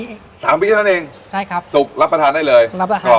๓วินาทีนั่นเองใช่ครับสุกรับประทานได้เลยรับประทานได้เลย